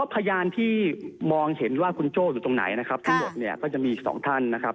พยานที่มองเห็นว่าคุณโจ้อยู่ตรงไหนนะครับทั้งหมดเนี่ยก็จะมีอีกสองท่านนะครับ